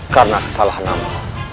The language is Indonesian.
karena kesalahan amba